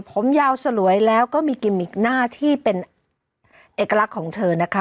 ผมยาวสลวยแล้วก็มีกิมมิกหน้าที่เป็นเอกลักษณ์ของเธอนะคะ